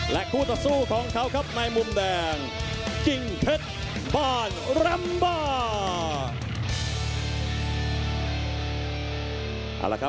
และคู่ต่อสู้ของเขาครับในมุมแดงกิ้งเผ็ดบ้านลำบ้า